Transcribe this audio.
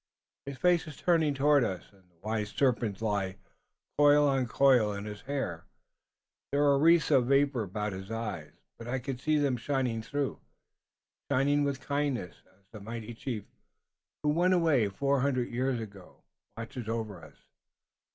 "His face is turned toward us, and the wise serpents lie, coil on coil, in his hair. There are wreaths of vapor about his eyes, but I can see them shining through, shining with kindness, as the mighty chief, who went away four hundred years ago, watches over us.